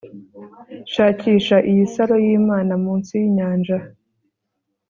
shakisha iyi saro yimana munsi yinyanja